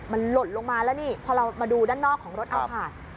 มันหล่นลงมาแล้วนี่พอเรามาดูด้านนอกของรถเอาผ่าน